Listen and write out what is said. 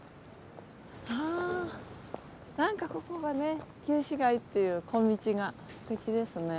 はあなんかここがね旧市街っていう小道が素敵ですね。